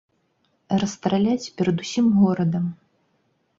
Расстраляць перад усім горадам!